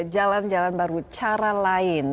jalan jalan baru cara lain